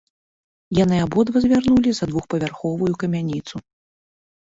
Яны абодва звярнулі за двухпавярховую камяніцу.